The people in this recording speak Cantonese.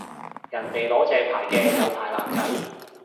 人哋攞正牌嘅有牌爛仔